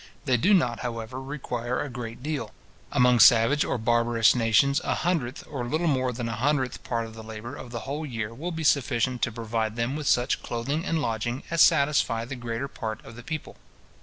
They do not, however, require a great deal. Among savage or barbarous nations, a hundredth, or little more than a hundredth part of the labour of the whole year, will be sufficient to provide them with such clothing and lodging as satisfy the greater part of the people.